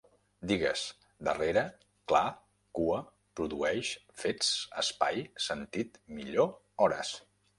Digues: darrere, clar, cua, produeix, fets, espai, sentit, millor, hores